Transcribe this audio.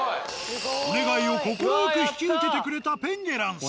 お願いを快く引き受けてくれたペンゲランさん。